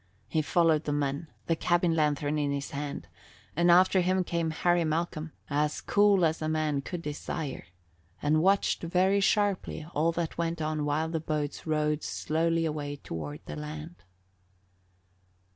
He followed the men, the cabin lanthorn in his hand, and after him came Harry Malcolm, as cool as a man could desire, and watched very sharply all that went on while the boats rowed slowly away toward the land.